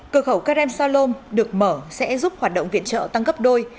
cửa khẩu kerem salom được mở sẽ giúp hoạt động viện trợ tăng gấp đôi